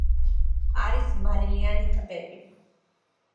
არის მარილიანი ტბები.